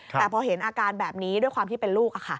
แต่พอเห็นอาการแบบนี้ด้วยความที่เป็นลูก